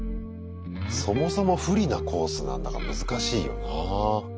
そもそも不利なコースなんだから難しいよなあ。